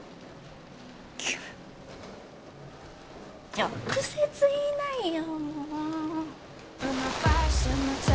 直接言いないよ